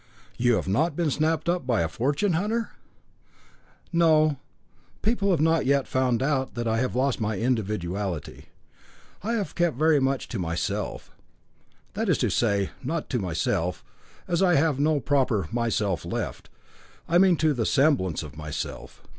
"You have not been snapped up by a fortune hunter?" "No. People have not as yet found out that I have lost my individuality. I have kept very much to myself that is to say, not to myself, as I have no proper myself left I mean to the semblance of myself.